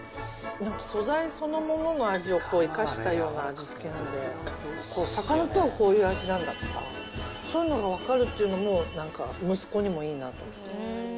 なんか素材そのものの味を生かしたような味付けなので魚とはこういう味なんだとかそういうのがわかるっていうのも息子にもいいなと思って。